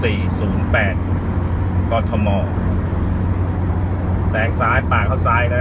สี่ศูนย์แปดกอทอมอร์แสงซ้ายปากเขาซ้ายแล้ว